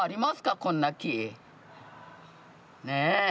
こんな木。ね。